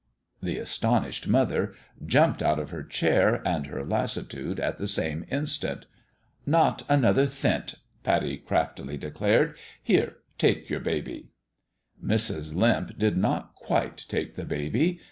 The astonished mother jumped out of her chair and her lassitude at the same instant. " Not another thent 1 " Pattie craftily declared. " Here take your baby." Mrs. Limp did not quite take the baby.